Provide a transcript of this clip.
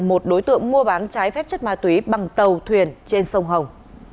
một đối tượng mua bán trái phép chất ma túy bằng tàu thuyền trên sông hồng